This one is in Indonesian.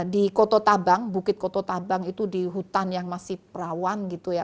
di koto tabang bukit koto tabang itu di hutan yang masih rawan gitu ya